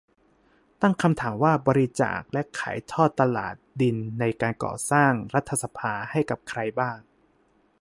ตั้งคำถามว่าบริจาค และ ขายทอดตลาด ดินในการก่อสร้างรัฐสภา ให้กับใครบ้าง